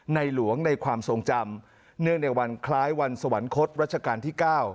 หลวงในความทรงจำเนื่องในวันคล้ายวันสวรรคตรัชกาลที่๙